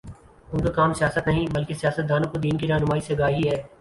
ان کا کام سیاست نہیں، بلکہ سیاست دانوں کو دین کی رہنمائی سے آگاہی ہے